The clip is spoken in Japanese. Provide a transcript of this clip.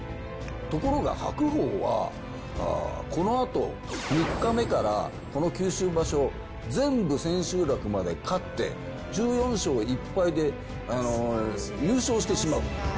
ところが、白鵬はこのあと３日目からこの九州場所、全部千秋楽まで勝って、１４勝１敗で優勝してしまう。